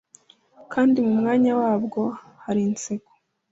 kandi mu mwanya wabwo hari inseko